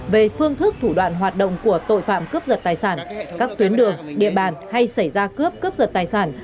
về phương thức thủ đoạn hoạt động của tội phạm cướp giật tài sản các tuyến đường địa bàn hay xảy ra cướp cướp giật tài sản